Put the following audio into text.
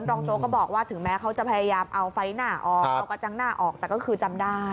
โจ๊กก็บอกว่าถึงแม้เขาจะพยายามเอาไฟหน้าออกเอากระจังหน้าออกแต่ก็คือจำได้